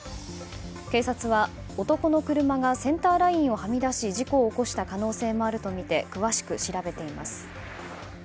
警察は、男の車がセンターラインをはみ出し事故を起こした可能性もあるとみて詳しく調べています。